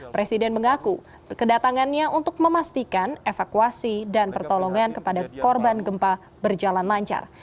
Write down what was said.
presiden mengaku kedatangannya untuk memastikan evakuasi dan pertolongan kepada korban gempa berjalan lancar